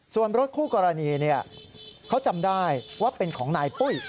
ส่วนรถคู่กรณีเขาจำได้ว่าเป็นของนายปุ้ย